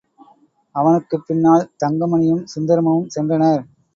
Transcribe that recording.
அவனுக்குப் பின்னால் தங்கமணியும், சுந்தரமும் சென்றனர்.